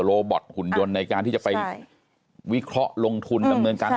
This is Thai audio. โบบอทหุ่นยนต์ในการที่จะไปวิเคราะห์ลงทุนดำเนินการ